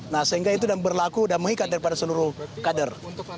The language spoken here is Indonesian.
nah sehingga itu berlaku dan mengikat daripada seluruh kader